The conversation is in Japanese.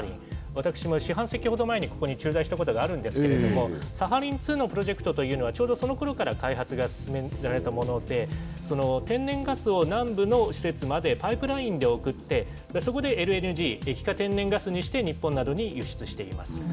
私も四半世紀ほど前にここに駐在したことがあるんですけれども、サハリン２のプロジェクトというのは、ちょうどそのころから開発が進められたもので、天然ガスを南部の施設までパイプラインで送って、そこでＬＮＧ・液化天然ガスにして日本などに輸出しています。